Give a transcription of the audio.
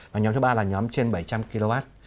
và nhóm thứ ba là nhóm trên bảy trăm linh kw